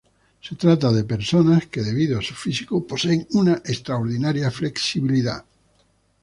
Se trata de personas que debido a su físico poseen una extraordinaria flexibilidad.